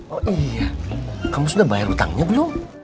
oh iya kamu sudah bayar utangnya belum